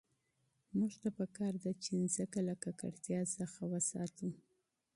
موږ ته په کار ده چي مځکه له ککړتیا وژغورو.